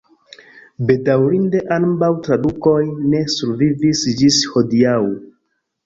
Bedaŭrinde ambaŭ tradukoj ne survivis ĝis hodiaŭ.